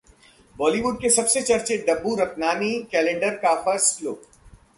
बॉलीवुड के सबसे चर्चित डब्बू रत्नानी कैलेंडर का फर्स्ट लुक